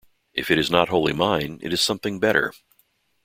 If it is not wholly mine it is something better.